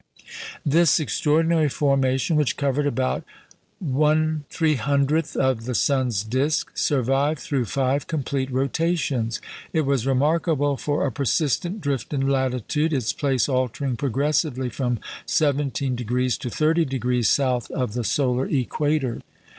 This extraordinary formation, which covered about 1/300 of the sun's disc, survived through five complete rotations. It was remarkable for a persistent drift in latitude, its place altering progressively from 17° to 30° south of the solar equator.